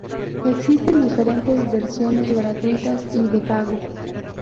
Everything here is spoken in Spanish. Existen diferentes versiones gratuitas y de pago.